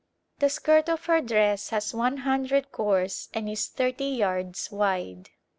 The skirt of her dress has one hundred gores and is thirty yards wide.